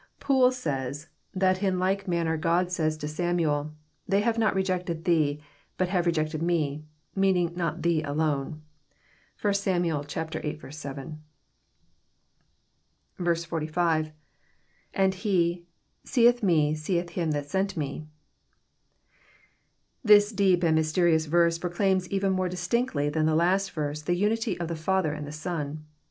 Poole says, that in like manner God says to Samuel, They have not rejected thee, but have rejected Me," meaning not thee alone. (1 Sam. viii. 7.) 45. — lAnd he...8eeth me seeth him that sent me,"} This deep and mysterious verse proclaims even more distinctly than the last verse the unity of the Father and the Son.